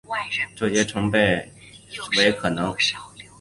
这些成像设备使介入微创手术成为可能。